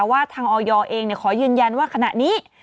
ว่าทางออยเองขอยืนยันว่าขณะนี้